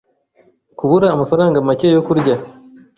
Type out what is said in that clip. kubura amafaranga make yo kurya.